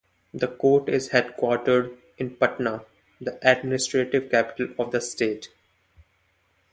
The court is headquartered in Patna, the administrative capital of the state.